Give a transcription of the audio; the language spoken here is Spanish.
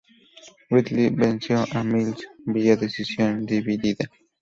Riddle venció a Mills vía decisión dividida.